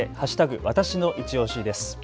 わたしのいちオシです。